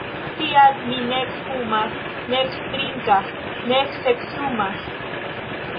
Tial mi nek fumas nek drinkas nek seksumas!